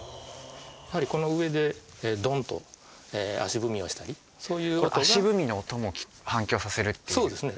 やっぱりこの上でドンと足踏みをしたりそういう足踏みの音も反響させるっていうそうですね